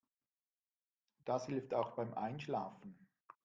Das hilft auch beim Einschlafen.